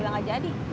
bila nggak jadi